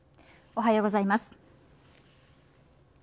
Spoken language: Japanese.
おはようございます。